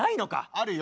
あるよ。